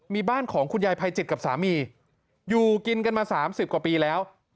มีบ้านของคุณยายภัยจิตกับสามีอยู่กินกันมา๓๐กว่าปีแล้ว